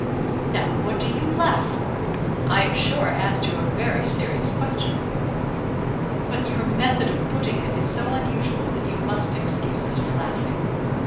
"Now what do you laugh for? I am sure I asked you a very serious question." "But your method of putting it is so unusual that you must excuse us for laughing."